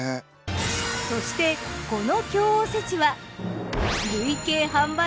そしてこの京おせちは。